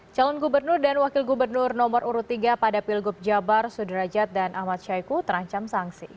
calon gubernur dan wakil gubernur nomor urut tiga pada pilgub jabar sudrajat dan ahmad syahiku terancam sanksi